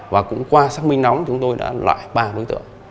và cũng qua xác minh nóng chúng tôi đã loại ba đối tượng